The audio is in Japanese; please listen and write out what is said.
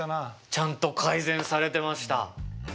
ちゃんと改善されてました。